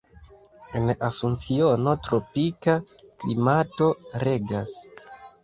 En Asunciono tropika klimato regas.